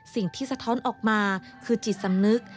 สะท้อนออกมาคือจิตสำนึก